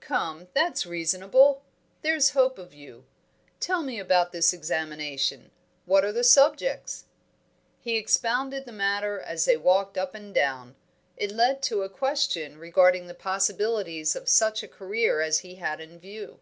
"Come, that's reasonable! There's hope of you. Tell me about this examination. What are the subjects?" He expounded the matter as they walked up and down. It led to a question regarding the possibilities of such a career as he had in view.